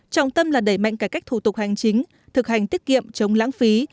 trọng tâm là đẩy mạnh cải cách thủ tục hành chính thực hành tiết kiệm chống lãng phí